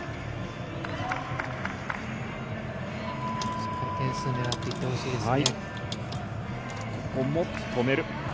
しっかり点数狙っていってほしいですね。